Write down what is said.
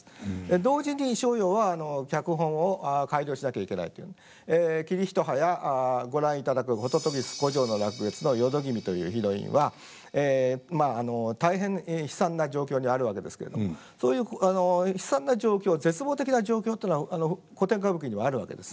同時に逍遙は脚本を改良しなきゃいけないというので「桐一葉」やご覧いただく「沓手鳥孤城落月」の淀君というヒロインは大変悲惨な状況にあるわけですけれどもそういう悲惨な状況絶望的な状況っていうのは古典歌舞伎にはあるわけです。